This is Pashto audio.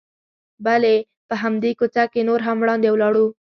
بلې، په همدې کوڅه کې نور هم وړاندې ولاړو.